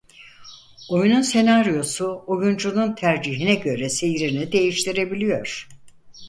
Oyunun senaryosu oyuncunun tercihine göre seyrini değiştirebiliyor.